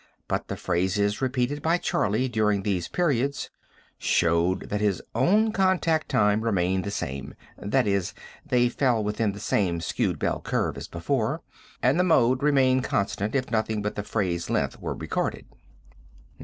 But the phrases repeated by Charlie during these periods showed that his own contact time remained the same; that is, they fell within the same skewed bell curve as before, and the mode remained constant if nothing but the phrase length were recorded."